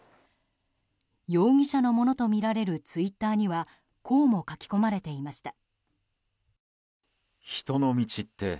容疑者のものとみられるツイッターにはこうも書き込まれていました。